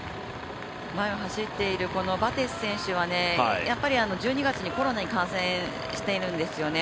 前を走っているバテス選手は１２月にコロナに感染しているんですよね。